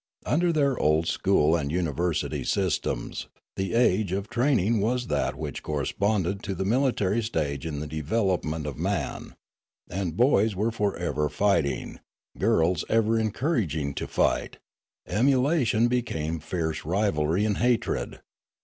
Under their old school and university systems the age of train ing was that which corresponded to the military stage in the development of man ; and boys were for ever fight ing, girls ever encouraging to fight; emulation became fierce rivalry and hatred.